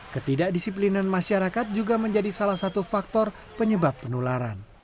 ketidakdisiplinan masyarakat juga menjadi salah satu faktor penyebab penularan